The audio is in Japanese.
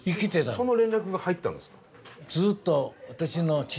その連絡が入ったんですか？